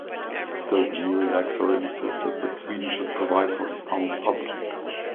Still, the new Elector insisted that Sweden should provide for his aunt's upkeep.